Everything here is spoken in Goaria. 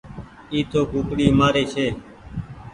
اي تو ڪوڪڙي مآري ڇي۔